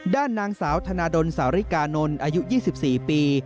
ด้านนางสาวธนาดลสาวริกานนท์อายุ๒๔ปี